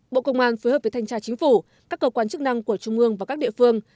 bộ công an phối hợp với thanh tra chính phủ các cơ quan chức năng của trung ương và các địa phương